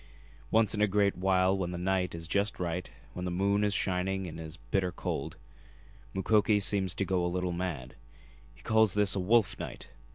Once in a great while when the night is just right, when the moon is shining and it is bitter cold, Mukoki seems to go a little mad. He calls this a 'wolf night.'